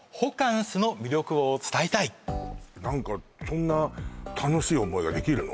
そんな楽しい思いができるの？